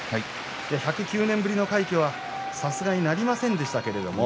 １０９年ぶりの快挙は、さすがになりませんでしたけれども。